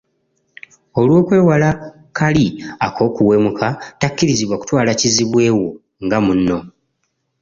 Olw’okwewala kali ak’okuwemuka tekikkirizibwa kutwala kizibwe wo nga munno.